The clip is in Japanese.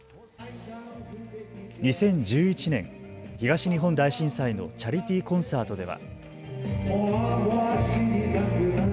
２０１１年、東日本大震災のチャリティーコンサートでは。